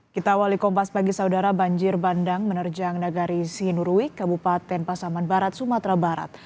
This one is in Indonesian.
kita awali kompas bagi saudara banjir bandang menerjang negari sinurui kabupaten pasaman barat sumatera barat